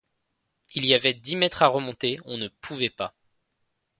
Il y avait dix mètres à remonter, on ne pouvait pas.